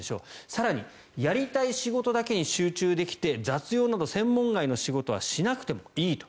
更に、やりたい仕事だけに集中できて雑用など専門外の仕事はしなくてもいいと。